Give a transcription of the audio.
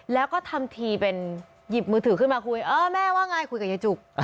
แล้วก็ทำทีเป็นหยิบมือถือขึ้นมาคุยเออแม่ว่าไงคุยกับยายจุก